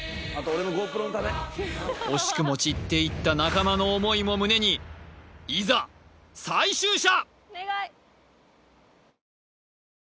惜しくも散っていった仲間の思いも胸にいざ最終射！